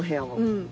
うん。